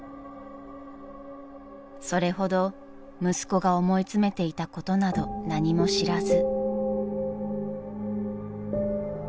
［それほど息子が思い詰めていたことなど何も知らず］